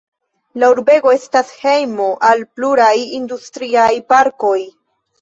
La urbego estas hejmo al pluraj industriaj parkoj.